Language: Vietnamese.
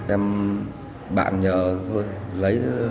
em bạn nhờ tôi lấy